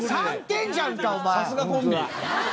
さすがコンビ！